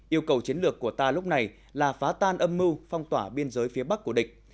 yêu cầu chiến lược của ta lúc này là phá tan âm mưu phong tỏa biên giới phía bắc của địch